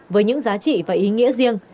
với những giá trị và ý nghĩa riêng